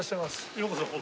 ようこそ。